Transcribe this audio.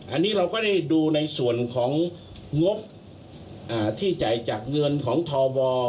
อันนี้เราก็ได้ดูในส่วนของงบที่จ่ายจากเงินของทบ